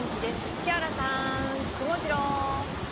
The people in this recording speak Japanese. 木原さん、くもジロー。